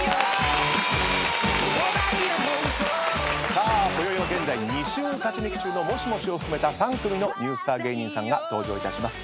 さあこよいは現在２週勝ち抜き中のモシモシを含めた３組のニュースター芸人さんが登場いたします。